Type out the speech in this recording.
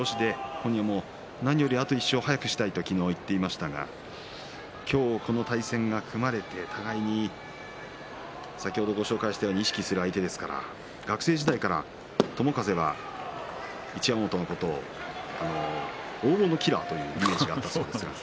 本人も早く１勝をしたいと言っていましたが今日この対戦が組まれて互いに意識する相手ですから学生時代から友風は一山本のこと大物キラーというイメージがあったそうです。